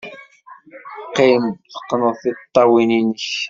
Qqim, teqqned tiṭṭawin-nnek.